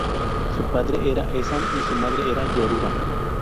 Su padre era Esan y su madre era Yoruba.